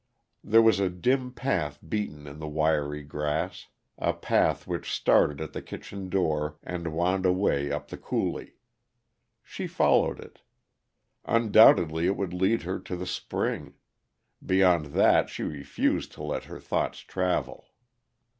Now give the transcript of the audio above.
There was a dim path beaten in the wiry grass a path which started at the kitchen door and wound away up the coulee. She followed it. Undoubtedly it would lead her to the spring; beyond that she refused to let her thoughts travel.